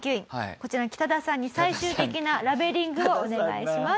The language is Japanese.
こちらのキタダさんに最終的なラベリングをお願いします。